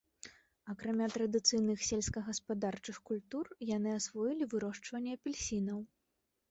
Акрамя традыцыйных сельскагаспадарчых культур, яны асвоілі вырошчванне апельсінаў.